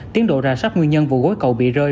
tiến độ rà sắp nguyên nhân vụ gối cầu bị rơi